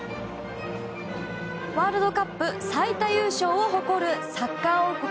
ワールドカップ最多優勝を誇るサッカー王国